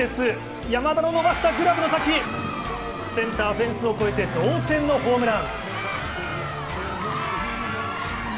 ウルテス、山田の逃したグラブの先センターフェンスを越えて同点のホームラン。